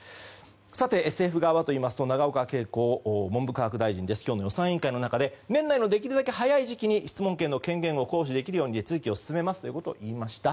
さて、政府側はといいますと永岡桂子文部科学大臣は今日の予算委員会の中で年内のできるだけ早いうちに質問権の行使ができるようにしますと発言しました。